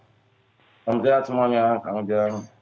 selamat siang semuanya pak ujang